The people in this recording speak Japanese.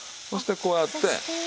そしてこうやって。